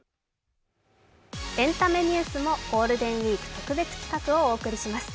エンタメニュースもゴールデンウイーク特別企画をお送りします。